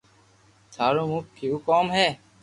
ٿارو مون ڪيوُ ڪوم ھي